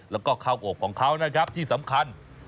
แล้วก็ข้าวโอบของเขานะครับที่สำคัญ